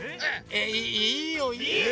えっいいよいいよ。